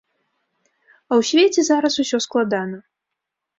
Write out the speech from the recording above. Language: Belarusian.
А ў свеце зараз усё складана.